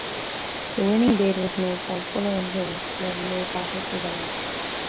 The winning bid was made by Fuller and Jones for a neo-gothic design.